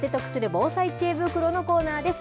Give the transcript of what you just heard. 防災知恵袋のコーナーです。